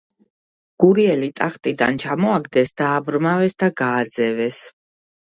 გურიელი ტახტიდან ჩამოაგდეს, დააბრმავეს და გააძევეს.